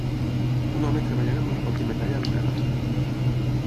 Un home treballant amb un pot de metall al terra.